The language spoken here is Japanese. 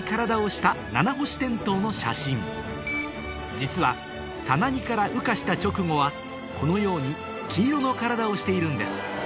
実はさなぎから羽化した直後はこのように黄色の体をしているんです